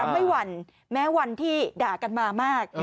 ไม่หวั่นแม้วันที่ด่ากันมามาก